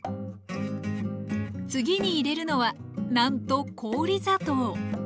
次に入れるのはなんと氷砂糖！